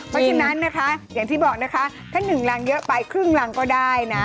เพราะฉะนั้นนะคะอย่างที่บอกนะคะถ้า๑รังเยอะไปครึ่งรังก็ได้นะ